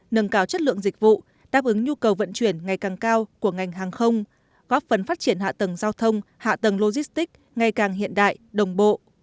nâng cao chất lượng dịch vụ đáp ứng nhu cầu vận chuyển ngày càng cao của ngành hàng không góp phần phát triển hạ tầng giao thông hạ tầng logistics ngày càng hiện đại đồng bộ